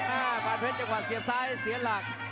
อ้าปาเพชรจากขวาเสียซ้ายเสียหลัก